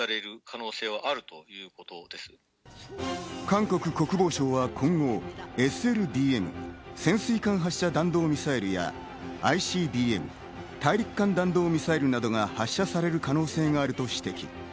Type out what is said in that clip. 韓国・国防省は今後、ＳＬＢＭ＝潜水艦発射弾道ミサイルやＩＣＢＭ＝大陸間弾道ミサイルなどが発射される可能性があると指摘。